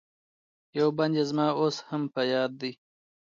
یو بند یې زما اوس هم په یاد دی.